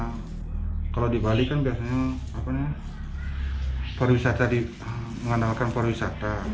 harga harganya murah karena kalau di bali kan biasanya perwisata mengandalkan perwisata